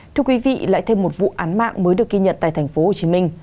thưa quý vị lại thêm một vụ án mạng mới được ghi nhận tại tp hcm